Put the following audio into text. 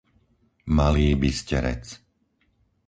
Malý Bysterec